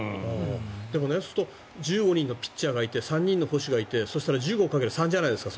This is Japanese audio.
でも、そうすると１５人のピッチャーがいて３人の捕手がいて、そしたら１５掛ける３じゃないですか。